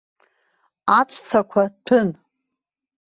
Аҵәцақәа ҭәын.